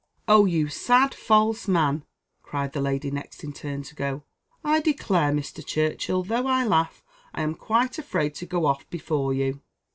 "Oh! you sad, false man!" cried the lady next in turn to go. "I declare, Mr. Churchill, though I laugh, I am quite afraid to go off before you."